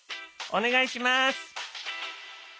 お願いします！